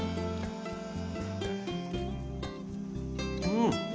うん。